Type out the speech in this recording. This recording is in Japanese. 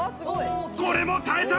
これも耐えた。